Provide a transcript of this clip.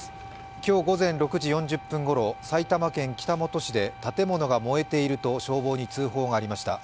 今日午前６時４０分ごろ、埼玉県北本市で建物が燃えていると消防に通報がありました。